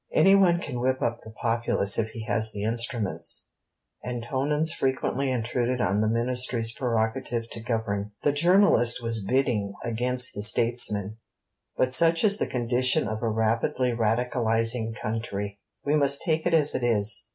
Any one can whip up the populace if he has the instruments; and Tonans frequently intruded on the Ministry's prerogative to govern. The journalist was bidding against the statesman. But such is the condition of a rapidly Radicalizing country! We must take it as it is.